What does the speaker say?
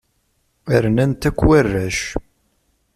Rnan-t akk warrac.